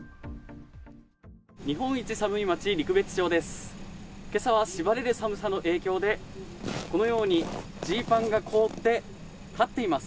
日本一寒い町、陸別町です。